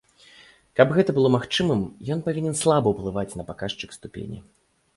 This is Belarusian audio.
Каб гэта было магчымым, ён павінен слаба ўплываць на паказчык ступені.